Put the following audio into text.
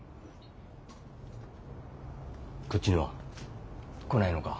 こっちには来ないのか？